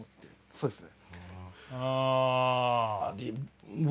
そうですね。